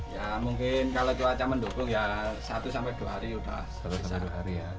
ya mungkin kalau cuaca mendukung ya satu dua hari sudah